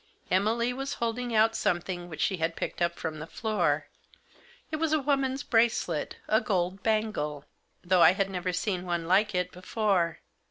Emily was holding out something which she had picked up from the floor. It was a woman's bracelet, a gold bangle ; though I had never seen one like it before.